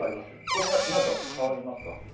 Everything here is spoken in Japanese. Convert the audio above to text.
これ何か変わりますか？